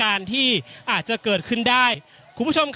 อย่างที่บอกไปว่าเรายังยึดในเรื่องของข้อ